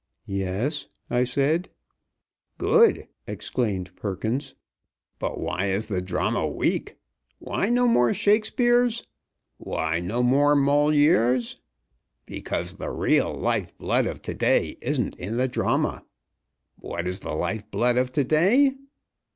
"Yes," I said. "Good!" exclaimed Perkins. "But why is the drama weak? Why no more Shakespeares? Why no more Molières? Because the real life blood of to day isn't in the drama. What is the life blood of to day?"